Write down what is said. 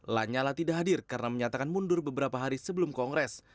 lanyala tidak hadir karena menyatakan mundur beberapa hari sebelum kongres